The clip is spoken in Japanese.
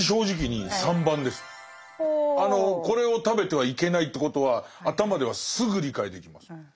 これを食べてはいけないということは頭ではすぐ理解できます。